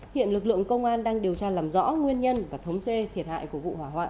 hiện lực lượng công an đang điều tra làm rõ nguyên nhân và thống kê thiệt hại của vụ hỏa hoạn